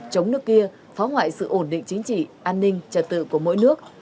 chống nước kia phá hoại sự ổn định chính trị an ninh trật tự của mỗi nước